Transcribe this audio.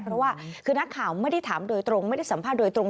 เพราะว่าคือนักข่าวไม่ได้ถามโดยตรงไม่ได้สัมภาษณ์โดยตรง